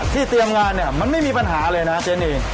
ที่เตี๋ยวงานมันไม่มีปัญหาเลยนะเจนี่